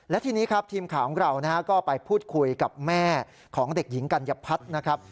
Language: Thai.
และทีนี้ครับทีมข่าวของเราก็ไปพูดคุยกับแม่ของเด็กหญิงกัญญพัฒน์นะครับ